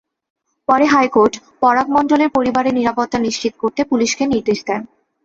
পরে হাইকোর্ট পরাগ মণ্ডলের পরিবারের নিরাপত্তা নিশ্চিত করতে পুলিশকে নির্দেশ দেন।